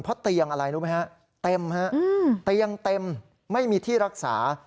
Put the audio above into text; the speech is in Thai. เพราะเตียงอะไรรู้ไหมฮะเต็มฮะเตียงเต็มไม่มีที่รักษา